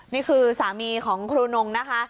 นี่คือสามีของครูนงนะคะ